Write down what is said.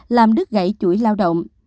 làm đứt gãy chuỗi lao động